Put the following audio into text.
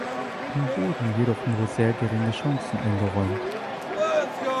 Ihm wurden jedoch nur sehr geringe Chancen eingeräumt.